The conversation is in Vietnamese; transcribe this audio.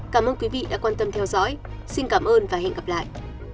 cảm ơn các bạn đã theo dõi xin cảm ơn và hẹn gặp lại